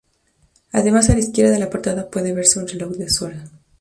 Además, a la izquierda de la portada puede verse un reloj de sol.